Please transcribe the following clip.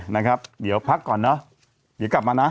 นะครับเดี๋ยวพักก่อนเนอะเดี๋ยวกลับมานะ